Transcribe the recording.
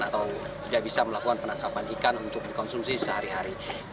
atau tidak bisa melakukan penangkapan ikan untuk dikonsumsi sehari hari